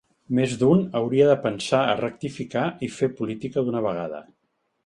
Més d’un hauria de pensar a rectificar i fer política d’una vegada.